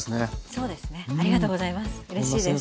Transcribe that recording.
そうですねありがとうございます。